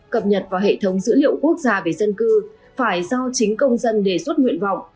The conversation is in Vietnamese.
cập nhật vào hệ thống dữ liệu quốc gia về dân cư phải do chính công dân đề xuất nguyện vọng